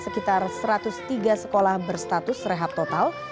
sekitar satu ratus tiga sekolah berstatus rehab total